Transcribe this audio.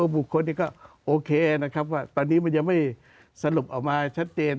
บุคคลนี้ก็โอเคนะครับว่าตอนนี้มันยังไม่สรุปออกมาชัดเจน